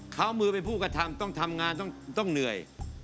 เขามือเป็นผู้กระทำต้องทำงานต้องเหนื่อย